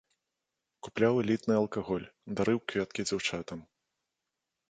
Купляў элітны алкаголь, дарыў кветкі дзяўчатам.